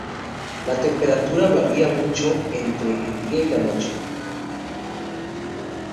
La temperatura varía mucho entre el día y la noche.